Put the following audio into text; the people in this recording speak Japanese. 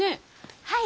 はい。